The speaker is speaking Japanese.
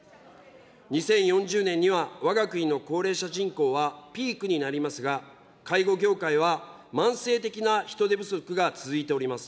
２０４０年にはわが国の高齢者人口はピークになりますが、介護業界は慢性的な人手不足が続いております。